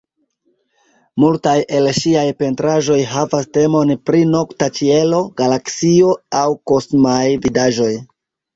Multaj el ŝiaj pentraĵoj havas temon pri nokta ĉielo, galaksio aŭ kosmaj vidaĵoj.